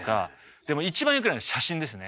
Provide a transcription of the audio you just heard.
でも一番よくないのは写真ですね。